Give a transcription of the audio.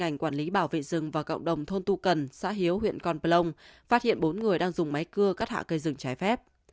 hảo vị rừng và cộng đồng thôn tu cần xã hiếu huyện con plong phát hiện bốn người đang dùng máy cưa cắt hạ cây rừng trái phép